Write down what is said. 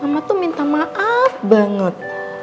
mama tuh minta maaf banget